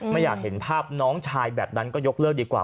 ไม่อยากเห็นภาพน้องชายแบบนั้นก็ยกเลิกดีกว่า